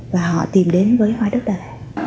và họ tìm đến với hoa đất đời